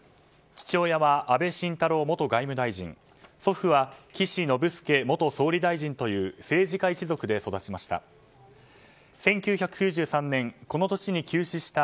父親は安倍晋太郎元外務大臣祖父は岸信介元総理大臣という政治家一族で育ちました。